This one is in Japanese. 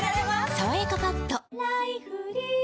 「さわやかパッド」菊池）